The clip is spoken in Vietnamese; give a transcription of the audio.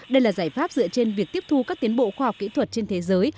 đây là giải pháp dựa trên việc tiếp thu các tiến bộ khoa học kỹ thuật trên thế giới